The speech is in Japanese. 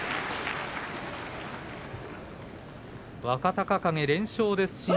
若隆景、連勝です。